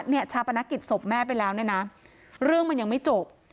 ชาปนกิจศพแม่ไปแล้วเนี่ยนะเรื่องมันยังไม่จบ